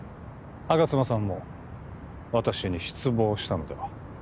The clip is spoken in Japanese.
吾妻さんも私に失望したのでは？